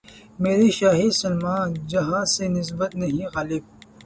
میرے شاہِ سلیماں جاہ سے نسبت نہیں‘ غالبؔ!